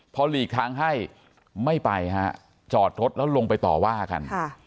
พอหลีกทางให้ไม่ไปฮะจอดรถแล้วลงไปต่อว่ากัน